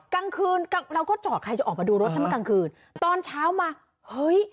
กลางคืนเราก็จอดใครจะออกมาดูรถฉันมากลางคืนตอนเช้ามาเฮ้ย